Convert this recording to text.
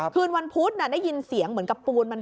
คืนวันพุธได้ยินเสียงเหมือนกับปูนมัน